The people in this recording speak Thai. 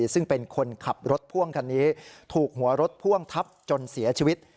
ซึ่งเป็นคนขับรถพ่วงคันนี้ถูกหัวรถพ่วงทับจนเสียชีวิต